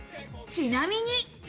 ちなみに。